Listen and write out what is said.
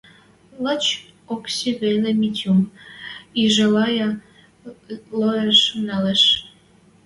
Лач Окси веле Митюм ӹжӓлӓйӓ, лоэш нӓлеш.